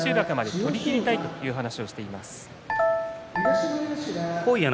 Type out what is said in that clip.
しっかり千秋楽まで取りきりたいという話をしています。